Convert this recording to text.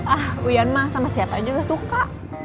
ah uian mah sama siapa juga suka